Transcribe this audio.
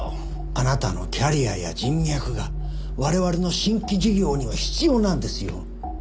あなたのキャリアや人脈が我々の新規事業には必要なんですよ。